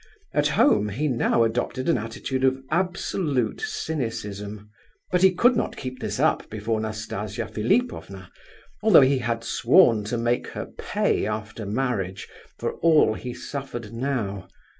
At home, he now adopted an attitude of absolute cynicism, but he could not keep this up before Nastasia Philipovna, although he had sworn to make her pay after marriage for all he suffered now.